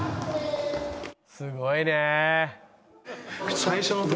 すごいね！